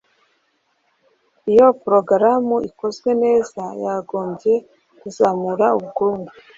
iyo porogaramu ikozwe neza yagombye kuzamura ubukungu